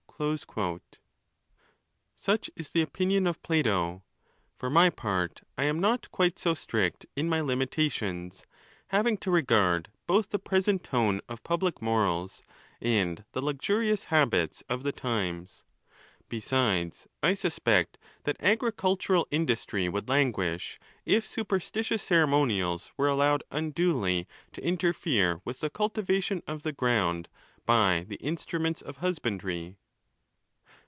Such is the opinion of Plato. For my part, I am not quite so strict in my limitations, having to regard both the present tone of public morals, and the luxurious habits of the times, Besides, I suspect that agricultural industry would languish, if superstitious ceremonials were allowed unduly to interfere with the cultivation of the ground by the instruments of husbandry.